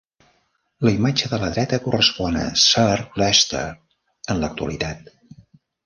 La imatge de la dreta correspon a Sir Leicester en l'actualitat.